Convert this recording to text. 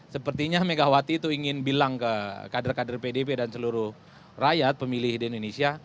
sepertinya megawati itu ingin bilang ke kader kader pdp dan seluruh rakyat pemilih di indonesia